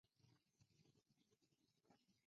এটাও পরিবর্তিত হতে যাচ্ছিল।